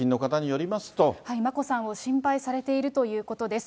眞子さんを心配されているということです。